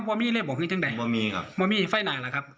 ไม่มีเลยบอกให้ทั้งใดไม่มีครับไม่มีไฟหนาหรอครับ